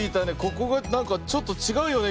ここがなんかちょっとちがうよね